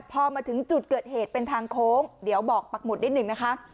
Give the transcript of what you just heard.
พอมาถึงจุดเกิดเหตุเป็นทางโค้งเดี๋ยวบอกปักหุดนิดหนึ่งนะคะ